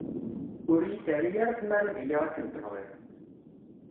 Ur iyi-terri ara tmara ad iliɣ akken tebɣiḍ.